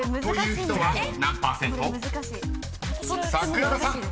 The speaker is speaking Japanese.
［桜田さん］